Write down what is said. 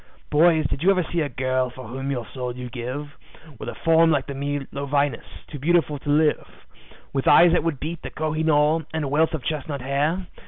"Boys, did you ever see a girl for whom your soul you'd give, With a form like the Milo Venus, too beautiful to live; With eyes that would beat the Koh i noor, and a wealth of chestnut hair?